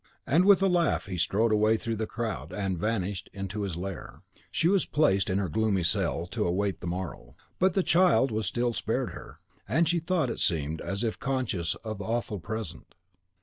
And, with a laugh, he strode away through the crowd, and vanished into his lair. .... She was placed in her gloomy cell, to await the morrow. But the child was still spared her; and she thought it seemed as if conscious of the awful present.